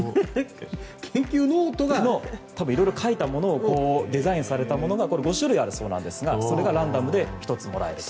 多分色々書いたものがデザインされて５種類あるそうですが、それがランダムで１つもらえると。